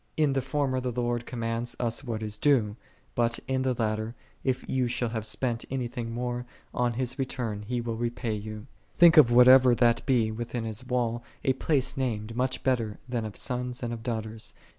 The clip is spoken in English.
In the former the Lord commands us what is due; but in the latter, if ye shall have spent any thing more, on His return He will repay you.'6 Think of (whatever that be) within His wall "a place named, much better than of sons and of daughters."'